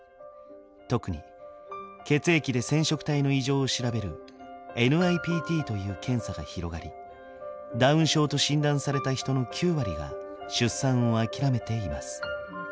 特に血液で染色体の異常を調べるＮＩＰＴという検査が広がりダウン症と診断された人の９割が出産を諦めています。